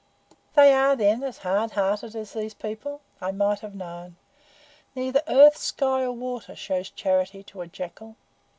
"They are, then, as hard hearted as these people? I might have known. Neither earth, sky, nor water shows charity to a jackal.